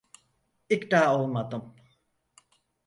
İkna olmadım.